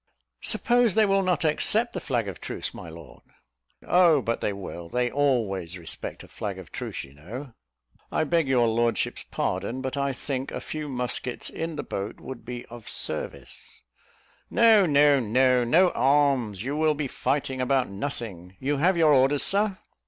"Suppose they will not accept the flag of truce, my lord?" "Oh, but they will: they always respect a flag of truce, you know." "I beg your lordship's pardon, but I think a few muskets in the boat would be of service." "No, no, no, no arms. You will be fighting about nothing. You have your orders, Sir."